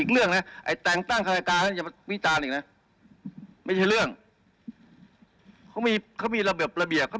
แล้วก็แค่การสายที่พิจารณาการพี่อีกกว่า